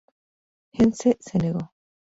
Heinze se negó.